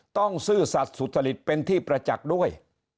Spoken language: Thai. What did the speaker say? ซื่อสัตว์สุจริตเป็นที่ประจักษ์ด้วย